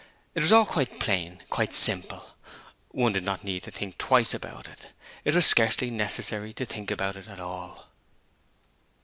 It was all quite plain quite simple. One did not need to think twice about it. It was scarcely necessary to think about it at all.